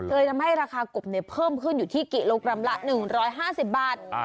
เลยทำให้ราคากบเพิ่มขึ้นอยู่ที่กิโลกรัมละ๑๕๐บาท